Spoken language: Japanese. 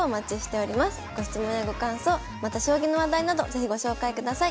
ご質問やご感想また将棋の話題など是非ご紹介ください。